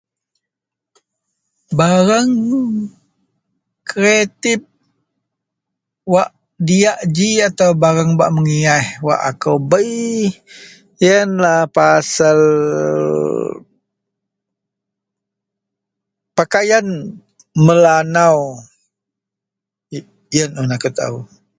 barang kreatif wak diak ji atau barang bak meyias wak akou bei ienlah pasaaal pakaian melanau, ien un akou taaul